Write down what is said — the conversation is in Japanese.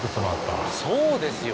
そうですよ。